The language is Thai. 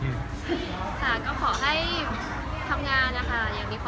ค่ะก็ขอให้ทำงานนะคะอย่างมีความสุขทำงานได้เยอะค่ะ